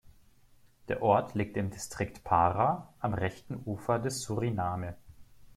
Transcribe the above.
Der Ort liegt im Distrikt Para am rechten Ufer des Suriname.